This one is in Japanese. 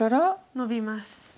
ノビます。